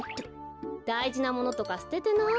だいじなものとかすててない？